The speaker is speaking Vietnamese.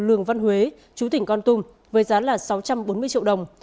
lường văn huế chú tỉnh con tum với giá là sáu trăm bốn mươi triệu đồng